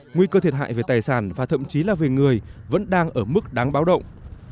nguy cơ thiệt hại về tài sản và thậm chí là về người vẫn đang ở mức đáng báo động